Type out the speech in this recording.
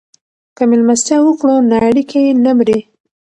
که مېلمستیا وکړو نو اړیکې نه مري.